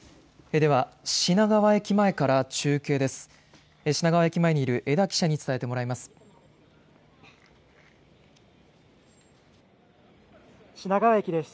では、品川駅前から中継です。